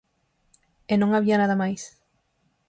E non había nada máis.